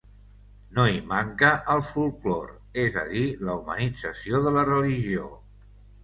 No hi manca el folklore, és a dir, la humanització de la religió.